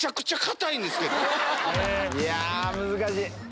いや難しい！